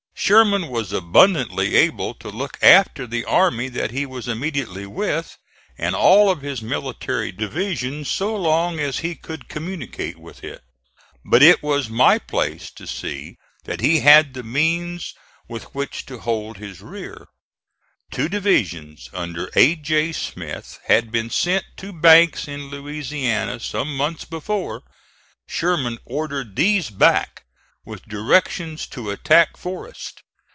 Sherman was abundantly able to look after the army that he was immediately with, and all of his military division so long as he could communicate with it; but it was my place to see that he had the means with which to hold his rear. Two divisions under A. J. Smith had been sent to Banks in Louisiana some months before. Sherman ordered these back, with directions to attack Forrest.